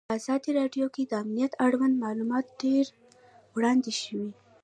په ازادي راډیو کې د امنیت اړوند معلومات ډېر وړاندې شوي.